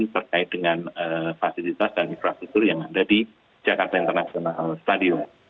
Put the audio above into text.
terkait dengan fasilitas dan infrastruktur yang ada di jakarta international stadium